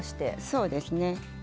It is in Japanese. そうですね。